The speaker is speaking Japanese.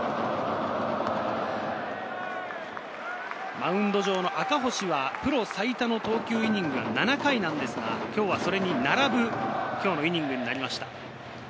マウンド上の赤星はプロ最多の投球イニングが７回なんですが、今日はそれに並ぶイニングになりました。